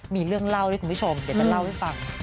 มีเรื่องเล่าให้คุณผู้ชมเดี๋ยวจะเล่าให้ฟัง